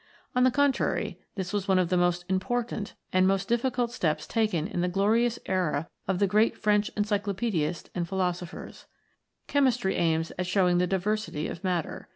On the contrary, this was one of the most important and most difficult steps taken in the glorious era of the great French Encyclo paedists and Philosophers. Chemistry aims at showing the diversity of matter.